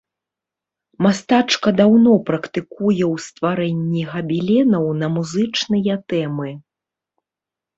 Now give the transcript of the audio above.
Мастачка даўно практыкуе ў стварэнні габеленаў на музычныя тэмы.